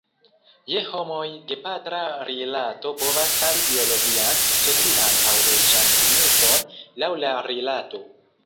Je homoj, gepatra rilato povas havi biologian, socian, aŭ leĝan signifon, laŭ la rilato.